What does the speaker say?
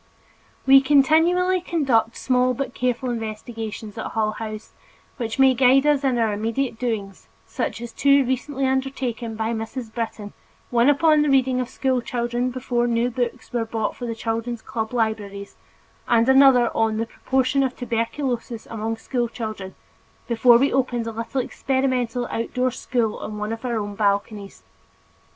We continually conduct small but careful investigations at Hull House, which may guide us in our immediate doings such as two recently undertaken by Mrs. Britton, one upon the reading of school children before new books were bought for the children's club libraries, and another on the proportion of tuberculosis among school children, before we opened a little experimental outdoor school on one of our balconies.